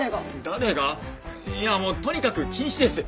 誰がいやもうとにかく禁止です！